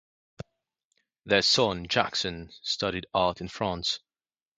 Their son, Jackson, studied art in France.